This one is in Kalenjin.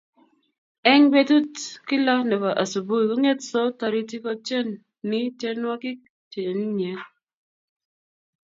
en betutab kla nebo asubui kongetsoot taritik kotieni tienwokik cheonyinyen